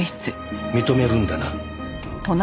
認めるんだな？